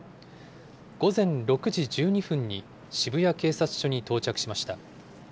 午前６時１２分に渋谷警察署に到着しました。